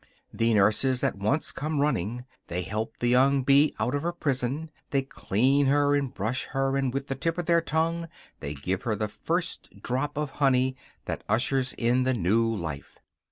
The nurses at once come running; they help the young bee out of her prison, they clean her and brush her, and with the tip of their tongue they give her the first drop of honey that ushers in the new life.